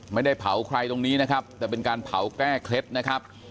ไม่ได้เผาใครตรงนี้นะครับแต่เป็นการเผาแก้เคล็ดนะครับ